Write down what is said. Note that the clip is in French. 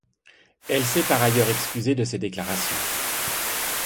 Elle s'est par ailleurs excusée de ses déclarations.